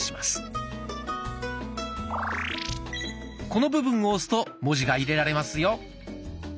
この部分を押すと文字が入れられますよ。